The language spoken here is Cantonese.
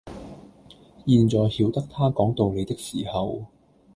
現在曉得他講道理的時候，